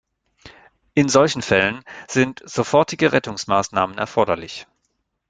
In solchen Fällen sind sofortige Rettungsmaßnahmen erforderlich.